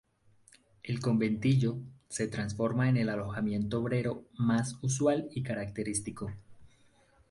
El conventillo, se transforma en el alojamiento obrero más usual y característico.